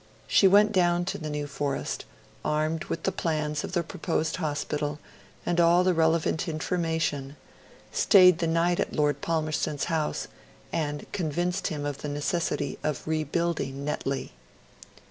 She went down to the New Forest, armed with the plan of the proposed hospital and all the relevant information, stayed the night at Lord Palmerston's house, and convinced him of the necessity of rebuilding Netley.